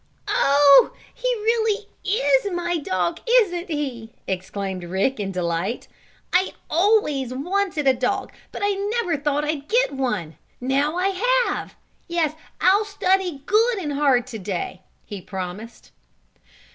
"Oh, he really is my dog; isn't he?" exclaimed Rick in delight. "I always wanted a dog but I never thought I'd get one. Now I have! Yes, I'll study good and hard to day!" he promised.